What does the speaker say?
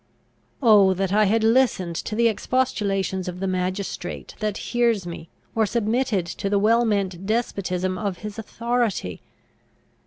Oh, that I had listened to the expostulations of the magistrate that hears me, or submitted to the well meant despotism of his authority!